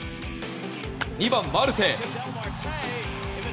２番、マルテ。